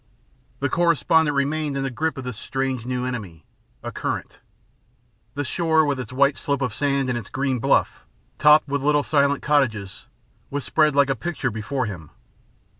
The correspondent remained in the grip of this strange new enemy a current. The shore, with its white slope of sand and its green bluff, topped with little silent cottages, was spread like a picture before him.